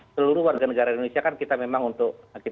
seluruh warga negara indonesia kan kita memang untuk